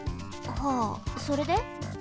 はあそれで？